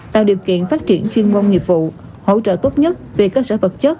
tạo điều kiện phát triển chuyên môn nghiệp vụ hỗ trợ tốt nhất về cơ sở vật chất